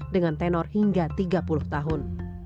dengan tenor hingga tiga puluh tahun